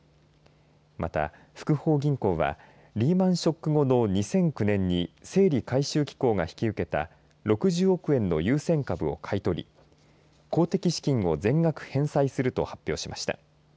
また福邦銀行はリーマンショック後の２００９年に整理回収機構が引き受けた６０億円の優先株を買い取り公的資金を全額返済すると発表しました。